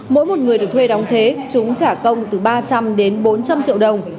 mỗi một người được thuê đóng thế chúng trả công từ ba trăm linh đến bốn trăm linh triệu đồng